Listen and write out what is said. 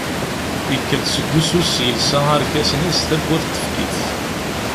Yekker-d seg wussu-s, yelsa arkasen-is, tawwurt tefk-it.